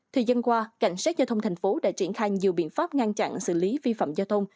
thời gian qua cảnh sát giao thông thành phố đã triển khai nhiều biện pháp ngăn chặn xử lý vi phạm giao thông